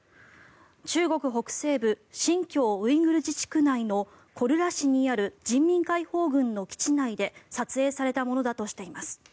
中国北西部新疆ウイグル自治区内のコルラ市にある人民解放軍の基地内で撮影されたものだとしています。